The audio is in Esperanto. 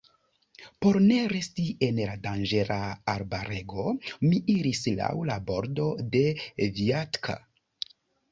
Por ne resti en la danĝera arbarego, mi iris laŭ la bordo de Vjatka.